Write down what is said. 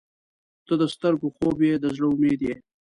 • ته د سترګو خوب یې، د زړه امید یې.